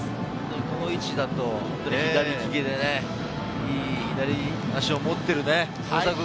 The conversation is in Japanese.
この位置だと左利きでね、いい左足を持っている。